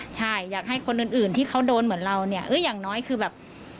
ใช่อยากให้คนอื่นที่เขาโดนเหมือนเราเนี่ยอย่างน้อยคือแบบ